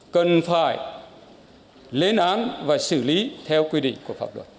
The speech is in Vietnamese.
cần phải lên án và xử lý theo quy định của pháp luật